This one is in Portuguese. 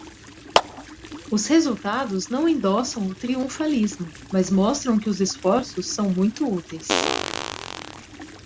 Os resultados não endossam o triunfalismo, mas mostram que os esforços são muito úteis.